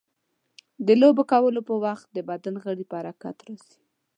د لوبو کولو په وخت د بدن غړي په حرکت راځي.